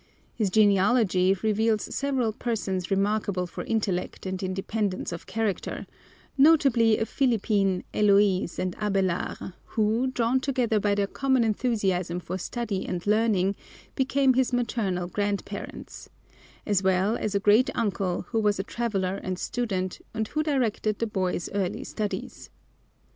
His genealogy reveals several persons remarkable for intellect and independence of character, notably a Philippine Eloise and Abelard, who, drawn together by their common enthusiasm for study and learning, became his maternal grandparents, as well as a great uncle who was a traveler and student and who directed the boy's early studies.